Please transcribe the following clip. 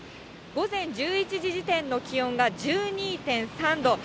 午前１１時時点の気温が１２．３度。